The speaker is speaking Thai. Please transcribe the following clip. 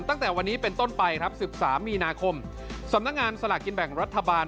ตั้งแต่วันนี้เป็นต้นไปครับ๑๓มีนาคมสำนักงานสลากกินแบ่งรัฐบาล